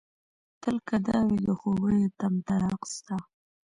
تل که دا وي د خوبيه طمطراق ستا